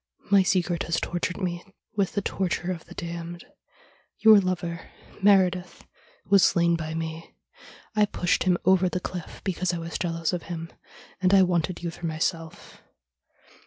My secret has tortured me with the torture of the damned. Your lover, Meredith, was slain by me. I pushed him over the cliff because I was jealous of him, and I wanted you for myself.